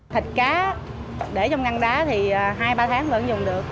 thịt cá để trong ngăn đá thì hai ba tháng vẫn dùng được